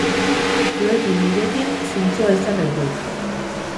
Zuekin, nirekin, zintzoa izan nahi dut.